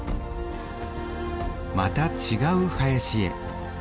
また違う林へ。